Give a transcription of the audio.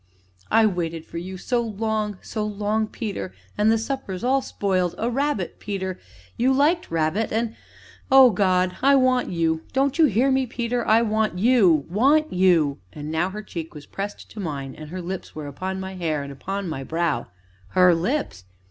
"I waited for you so long so long, Peter and the supper is all spoiled a rabbit, Peter you liked rabbit, and and oh, God! I want you don't you hear me, Peter I want you want you!" and now her cheek was pressed to mine, and her lips were upon my hair, and upon my brow her lips!